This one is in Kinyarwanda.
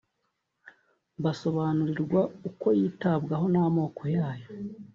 basobanurirwa uko yitabwaho n’amoko yayo